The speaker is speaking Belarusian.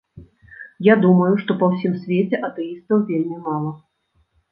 Я думаю, што па ўсім свеце атэістаў вельмі мала.